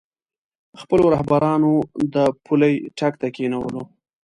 خپلو رهبرانو د پولۍ ټک ته کېنولو.